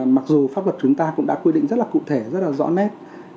mặc dù pháp luật chúng ta cũng đã quy định rất là cụ thể rất là rõ nét